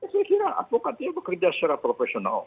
saya kira advokatnya bekerja secara profesional